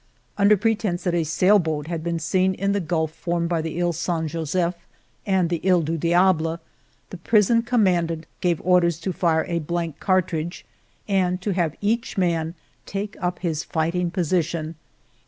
Under pretence that a sail boat had been seen in the gulf formed by the He Saint Joseph and the He du Diable, the prison commandant gave orders to fire a blank cartridge and to have each man take up his fighting position.